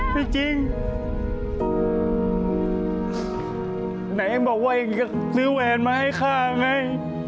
ไม่จริงไหนมันบอกว่าจะซื้อแวร์มาให้ข้าไง